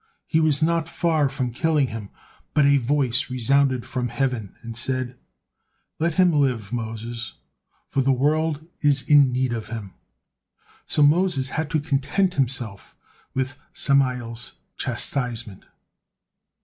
He was not far from killing him, but a voice resounded from heaven and said, "Let him live, Moses, for the world is in need of him," so Moses had to content himself with Samael's chastisement.